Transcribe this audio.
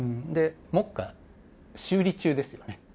目下、修理中ですよね。